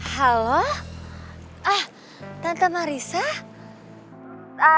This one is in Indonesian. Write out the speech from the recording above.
halo ah tante marissa